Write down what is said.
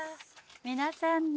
皆さんに。